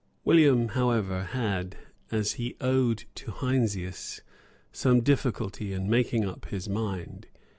William, however, had, as he owned to Heinsius, some difficulty in making up his mind.